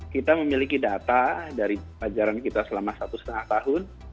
kita memiliki data dari pelajaran kita selama satu setengah tahun